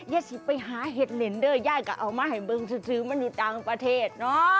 โยซิไปหาเห่ตนอย่างเด้อย่ายก่อนเอามาให้เบิงซื้อซื้อมันอยู่ต่างประเทศ